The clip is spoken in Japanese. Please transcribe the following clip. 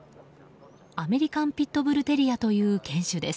アメリカンピットブルテリアという犬種です。